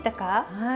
はい。